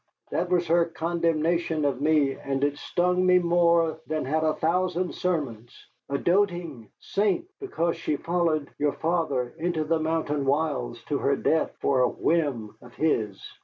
That was her condemnation of me, and it stung me more than had a thousand sermons. A doting saint, because she followed your father into the mountain wilds to her death for a whim of his.